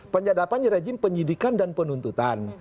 penyadapan di rejim penyidikan dan penuntutan